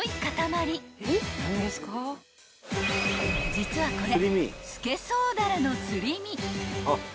［実はこれ］